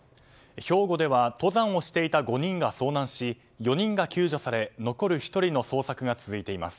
兵庫では登山をしていた５人が遭難し４人が救助され残る１人の捜索が続いています。